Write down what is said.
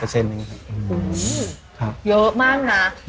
๒๐ข้าวเช่าในห้าง